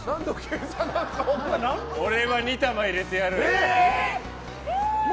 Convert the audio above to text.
俺は２玉入れてやる。